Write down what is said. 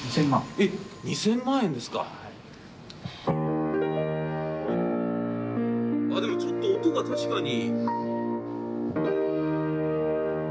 あっでもちょっと音が確かに。